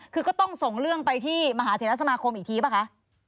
คือก็ต้องส่งเรื่องไปที่มหาเทรสมาคมอีกทีป่ะคะ